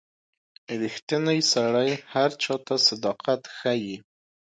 • ریښتینی سړی هر چاته صداقت ښيي.